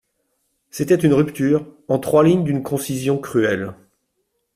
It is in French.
C'était une rupture, en trois lignes d'une concision cruelle.